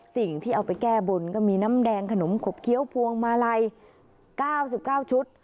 สิ่งที่เอาไปแก้บนก็มีน้ำแดงขนมขบเคี้ยวพวงมาลัย๙๙ชุด